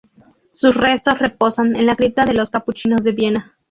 Sus restos reposan en la cripta de los Capuchinos de Viena.